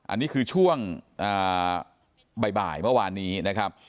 อันนี้คือช่วงบ่ายเมื่อวานนี้นะครับ